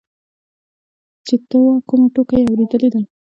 چې ته وا کومه ټوکه يې اورېدلې ده.